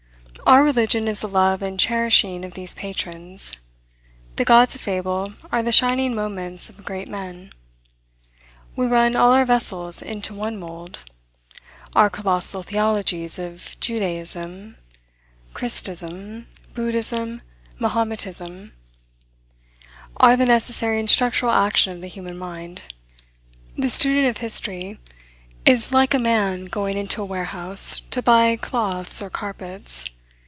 Our religion is the love and cherishing of these patrons. The gods of fable are the shining moments of great men. We run all our vessels into one mould. Our colossal theologies of Judaism, Christism, Buddhism, Mahometism, are the necessary and structural action of the human mind. The student of history is like a man going into a warehouse to buy cloths or carpets.